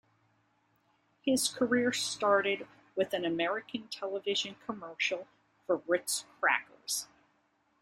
His career started with an American television commercial for Ritz Crackers.